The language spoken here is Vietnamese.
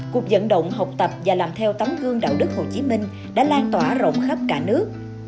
cuộc dẫn động học tập và làm theo tấm gương đạo đức hồ chí minh đã lan tỏa rộng khắp cả nước